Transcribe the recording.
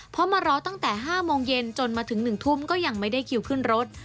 เพราะมารอตั้งแต่๕โมงเย็นจนมาถึง๑ทุ่มก็ยังไม่ได้คิวขึ้นรถ